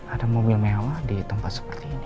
ada mobil mewah di tempat seperti ini